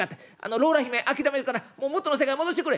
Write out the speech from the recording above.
ローラ姫諦めるから元の世界戻してくれ」。